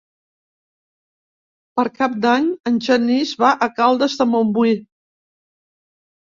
Per Cap d'Any en Genís va a Caldes de Montbui.